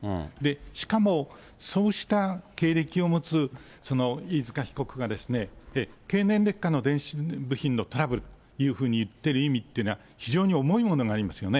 しかも、そうした経歴を持つ飯塚被告が、経年劣化の電子部品のトラブルというふうに言ってる意味っていうのは、非常に重いものがありますよね。